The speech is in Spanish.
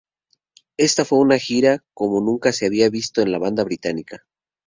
Esta fue una gira como nunca se había visto en la banda británica.